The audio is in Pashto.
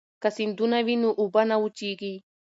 که سیندونه وي نو اوبه نه وچېږي.